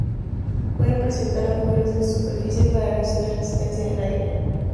Puede presentar agujeros en su superficie para reducir la resistencia del aire.